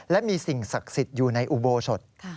และมีสิ่งศักดิ์สิทธิ์อยู่ในอุโบสถ